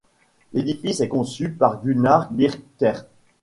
L'édifice est conçue par Gunnar Birkerts.